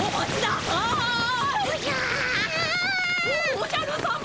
おじゃるさま！